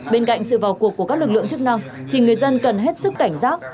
bên cạnh sự vào cuộc của các lực lượng chức năng thì người dân cần hết sức cảnh giác